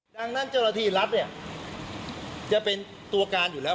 ดังนั้นเจ้าหน้าที่รัฐเนี่ยจะเป็นตัวการอยู่แล้ว